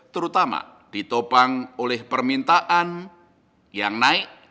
terutama ditopang oleh permintaan yang naik